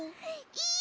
いい！